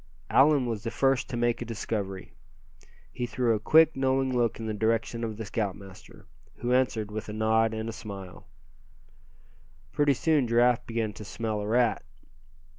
Allan was the first to make a discovery. He threw a quick, knowing look in the direction of the scoutmaster, who answered with a nod and a smile. Pretty soon Giraffe began to smell a rat.